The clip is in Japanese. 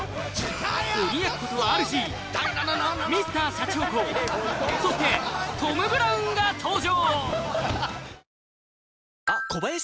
鬼奴とＲＧＭｒ．シャチホコそしてトム・ブラウンが登場！